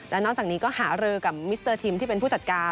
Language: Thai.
และนอกจากนี้ก็หารือกับมิสเตอร์ทีมที่เป็นผู้จัดการ